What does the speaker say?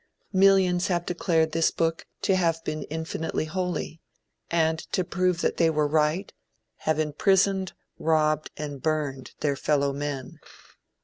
Millions have declared this book to have been infinitely holy, and to prove that they were right, have imprisoned, robbed and burned their fellow men.